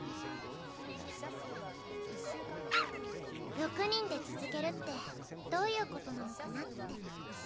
６人で続けるってどういうことなのかなって。